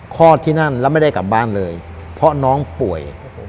อดที่นั่นแล้วไม่ได้กลับบ้านเลยเพราะน้องป่วย